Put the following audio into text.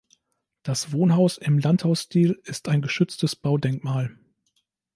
Das Wohnhaus im Landhausstil ist ein geschütztes Baudenkmal.